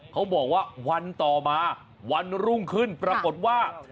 เขาบอกว่าวันต่อมาวันรุ่งขึ้นปรากฏว่า